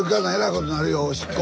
おしっこ！